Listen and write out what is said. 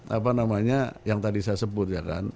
apa namanya yang tadi saya sebut